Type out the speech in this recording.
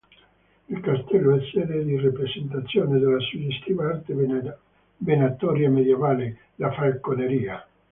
Il castello è sede di rappresentazione della suggestiva arte venatoria medievale: la "Falconeria".